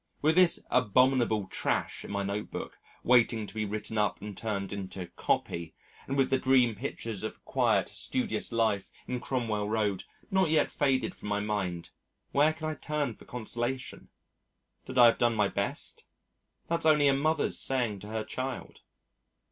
With this abominable trash in my notebook waiting to be written up and turned into "copy," and with the dream pictures of a quiet studious life in Cromwell Road not yet faded from my mind, where can I turn for consolation? That I have done my best? That's only a mother's saying to her child.